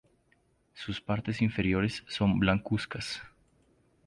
Sus partes inferiores son blancuzcas.